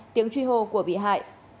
tiếng truy hô của bị hại